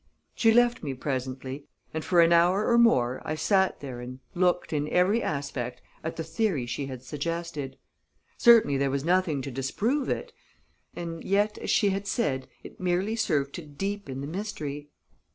She left me, presently, and for an hour or more I sat there and looked, in every aspect, at the theory she had suggested. Certainly, there was nothing to disprove it; and yet, as she had said, it merely served to deepen the mystery.